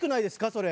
それ。